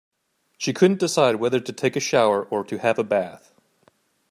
She couldn't decide whether to take a shower or to have a bath.